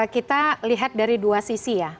kita lihat dari dua sisi ya